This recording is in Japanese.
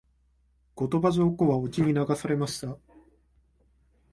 後鳥羽上皇は隠岐に流されました。